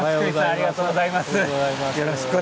ありがとうございます。